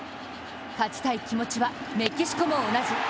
勝ちたい気持ちはメキシコも同じ。